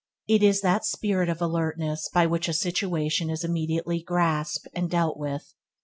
It is that spirit of alertness by which a situation is immediately grasped and dealt with.